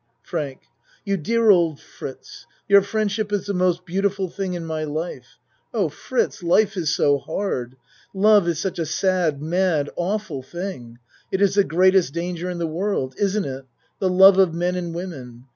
FRANK You dear old Fritz! Your friendship is the most beautiful thing in my life. Oh, Fritz, life is so hard! Love is such a sad, mad, awful thing. It is the greatest danger in the world isn't it the love of men and women.